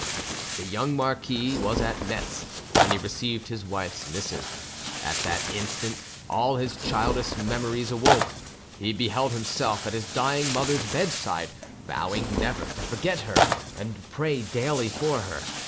The young marquis was at Metz when he received his wife's missive. At that instant all his childish memories awoke; he beheld himself at his dying mother's bedside, vowing never to forget her and to pray daily for her.